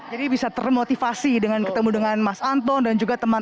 jadi bisa termotivasi dengan ketemu dengan mas anton dan juga teman teman